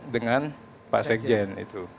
dengan pak sekjen